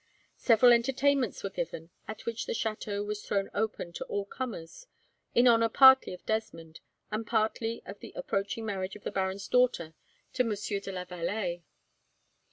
Several entertainments were given, at which the chateau was thrown open to all comers, in honour partly of Desmond and partly of the approaching marriage of the baron's daughter to Monsieur de la Vallee.